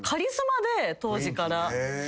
当時から。